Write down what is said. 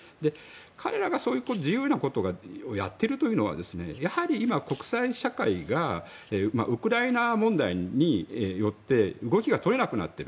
彼らがそういう自由なことをやっているというのはやはり今、国際社会がウクライナ問題によって動きが取れなくなっている。